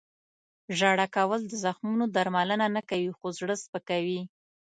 • ژړا کول د زخمونو درملنه نه کوي، خو زړه سپکوي.